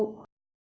có thể lựa chọn thuê